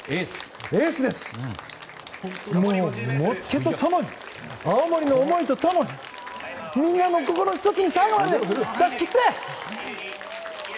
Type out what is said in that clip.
エースです！もつけとともに青森の思いとともにみんなの心を１つに最後まで出し切って。